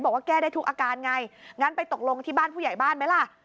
บอกว่าแก้ได้ทุกอาการไงงั้นไปตกลงที่บ้านผู้ใหญ่บ้านไหมล่ะ